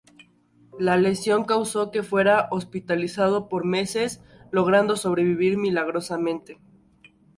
La lesión causó que fuera hospitalizado por meses, logrando sobrevivir milagrosamente.